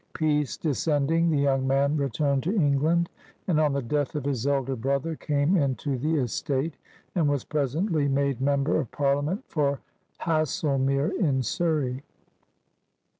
Peace descending, the young man re turned to England, and on the death ci his elder brother came into the estate, and was presoitly made Member of Parliament ior Haslemere in Surrey.